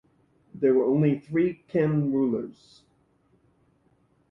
There were only three Khen rulers.